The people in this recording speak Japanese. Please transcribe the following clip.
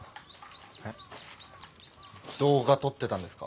え動画撮ってたんですか？